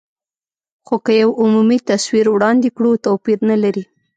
خو که یو عمومي تصویر وړاندې کړو، توپیر نه لري.